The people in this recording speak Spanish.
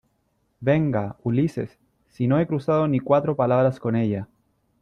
venga , Ulises , si no he cruzado ni cuatro palabras con ella .